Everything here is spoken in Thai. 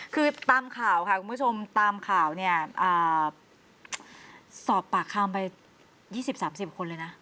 คือตามข่าวค่ะคุณผู้ชมตามข่าวเนี่ยสอบปากคำไป๒๐๓๐คนเลยนะ